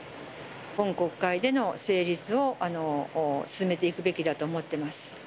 今国会での成立を進めていくべきだと思っています。